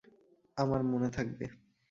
আমার মনে থাকবে।